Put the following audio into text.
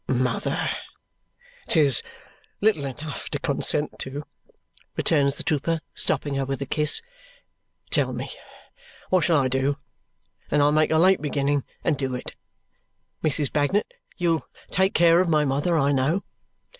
"Mother, 'tis little enough to consent to," returns the trooper, stopping her with a kiss; "tell me what I shall do, and I'll make a late beginning and do it. Mrs. Bagnet, you'll take care of my mother, I know?"